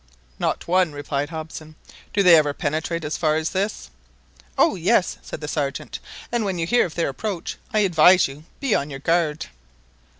"Not one," replied Hobson. "Do they ever penetrate as far as this?" "Oh yes !" said the Sergeant; "and when you hear of their approach, I advise you to be on your guard."